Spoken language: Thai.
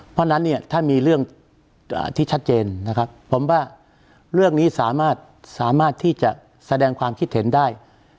เพราะฉะนั้นเนี่ยถ้ามีเรื่องที่ชัดเจนนะครับผมว่าเรื่องนี้สามารถที่จะแสดงความคิดเห็นได้